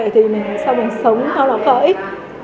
thì mình sao mình sống